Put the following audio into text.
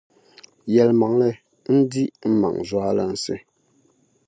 Yɛlimaŋli ndi n-maŋ zualinsi.